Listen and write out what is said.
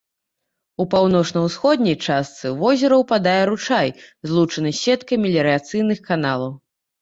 У паўночна-ўсходняй частцы ў возера ўпадае ручай, злучаны з сеткай меліярацыйных каналаў.